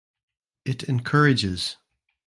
It encourages.